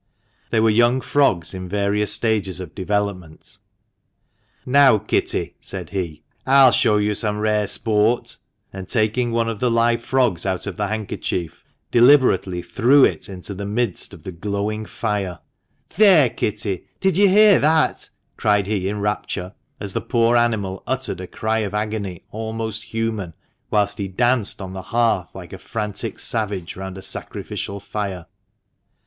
They were 90 THE MANCHESTER MAN. young frogs in various stages ot development " Now, Kitty," said he, " I'll show you some rare sport " and taking one of the live frogs out of the handkerchief, deliberately threw it into the midst of the glowing fire, " There, Kitty ; did you hear that ?" cried he in rapture, as the poor animal uttered a cry of agony almost human, whilst he danced on the hearth like a frantic savage round a sacrificial fire.